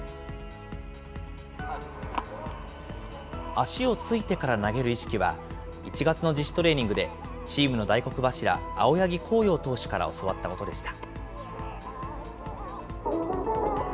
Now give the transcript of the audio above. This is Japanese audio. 足を着いてから投げる意識は、１月の自主トレーニングで、チームの大黒柱、青柳晃洋投手から教わったことでした。